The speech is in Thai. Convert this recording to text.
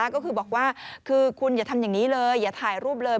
ก็คือบอกว่าคือคุณอย่าทำอย่างนี้เลยอย่าถ่ายรูปเลย